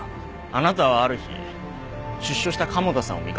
あなたはある日出所した加茂田さんを見かけた。